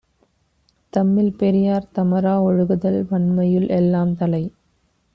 தம்மில் பெரியார் தமரா ஒழுகுதல் வன்மையுள் எல்லாந் தலை.